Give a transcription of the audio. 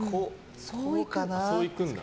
そういくんだ。